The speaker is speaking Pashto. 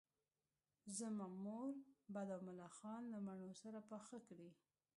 زما مور به دا ملخان له مڼو سره پاخه کړي